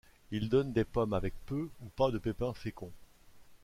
Ils donnent des pommes avec peu ou pas de pépins féconds.